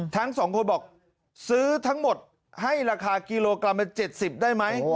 ทั้งสองคนบอกซื้อทั้งหมดให้ราคากิโลกรัมละ๗๐ได้ไหม